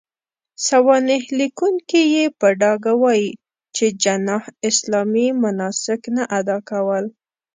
سوانح ليکونکي يې په ډاګه وايي، چې جناح اسلامي مناسک نه اداء کول.